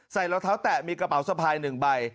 รองเท้าแตะมีกระเป๋าสะพาย๑ใบ